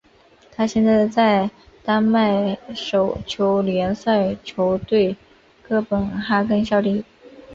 他现在在丹麦手球联赛球队哥本哈根效力。